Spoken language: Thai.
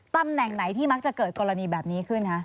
ตำแหน่งไหนที่มักจะเกิดกรณีแบบนี้ขึ้นคะ